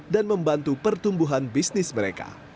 dan membantu pertumbuhan bisnis mereka